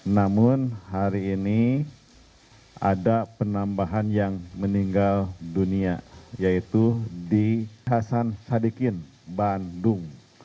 namun hari ini ada penambahan yang meninggal dunia yaitu di hasan sadikin bandung